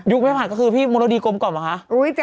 ยุคมั่นผ่านก็คือพี่โมระดี้ก้มก่อเหรอฮะ